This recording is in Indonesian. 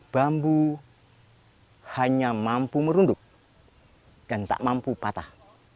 bambu hanya mampu merunduk dan tak mampu patah